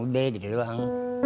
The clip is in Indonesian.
udah udah doang